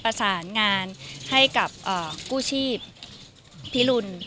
ประสานงานให้กับกู้ชีพพิรุณ